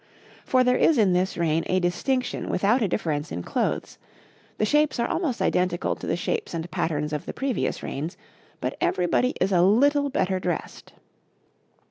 For there is in this reign a distinction without a difference in clothes; the shapes are almost identical to the shapes and patterns of the previous reigns, but everybody is a little better dressed.